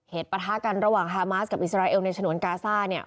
ปะทะกันระหว่างฮามาสกับอิสราเอลในฉนวนกาซ่าเนี่ย